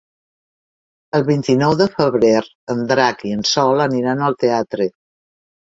El vint-i-nou de febrer en Drac i en Sol aniran al teatre.